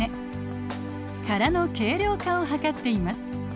殻の軽量化を図っています。